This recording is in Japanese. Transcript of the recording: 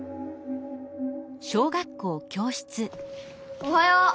おはよう！